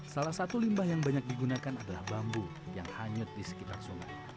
salah satu limbah yang banyak digunakan adalah bambu yang hanyut di sekitar sungai